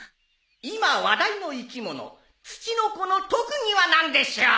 今話題の生き物ツチノコの特技は何でしょう？